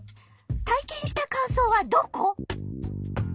体験した感想はどこ？